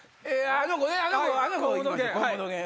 あの子ね！